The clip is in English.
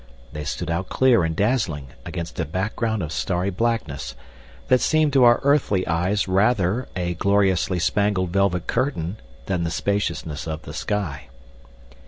They stood out clear and dazzling against a background of starry blackness that seemed to our earthly eyes rather a gloriously spangled velvet curtain than the spaciousness of the sky.